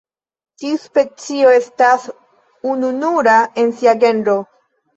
Tiu specio estas ununura en sia genro.